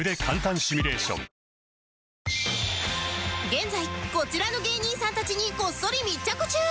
現在こちらの芸人さんたちにこっそり密着中